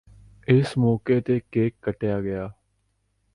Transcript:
ਇਸ ਮੌਕੇ ਤੇ ਕੇਕ ਕਟਿਆ ਗਿਆ